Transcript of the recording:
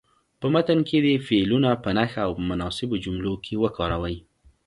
په متن کې دې فعلونه په نښه او په مناسبو جملو کې وکاروئ.